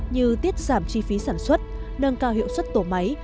như tiết giảm chi phí sản xuất nâng cao hiệu suất tổ máy